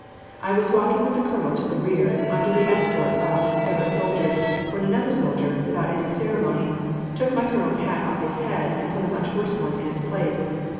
I was walking with the colonel to the rear, under the escort of Confederate soldiers, when another soldier, without any ceremony, took my colonel's hat off his head, and put a much worse one in its place.